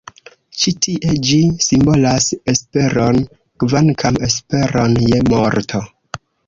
Ĉi tie ĝi simbolas esperon, kvankam esperon je morto.